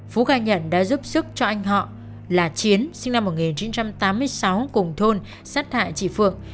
phú khai nhận đã giúp sức cho anh họ là chiến sinh năm một nghìn chín trăm tám mươi sáu cùng thôn sát hại chị phượng